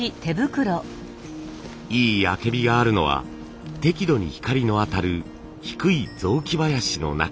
いいあけびがあるのは適度に光の当たる低い雑木林の中。